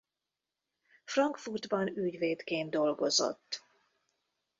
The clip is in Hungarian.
Frankfurtban ügyvédként dolgozott.